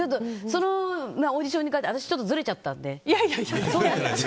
そのオーディションに受かって私ちょっとぶれちゃったので。